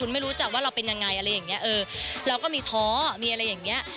ไม่รู้จักว่าเราเป็นยังไงอะไรอย่างเงี้เออเราก็มีท้อมีอะไรอย่างเงี้ย